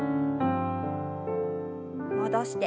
戻して。